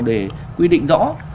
để quy định rõ